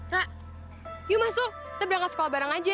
rak yuk masuk kita berangkat sekolah bareng aja